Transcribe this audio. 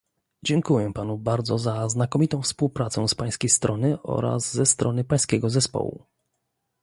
Dziękuję panu bardzo za znakomitą współpracę z pańskiej strony oraz ze strony pańskiego zespołu